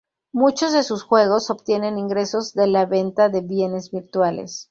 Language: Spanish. Muchos de sus juegos obtienen ingresos de la venta de bienes virtuales.